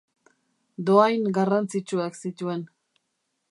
Dohain garrantzitsuak zituen.